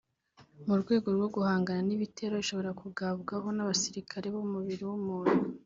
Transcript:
mu rwego rwo guhangana n’ibitero ishobora kugabwaho n’abasirikare b’umubiri w’umuntu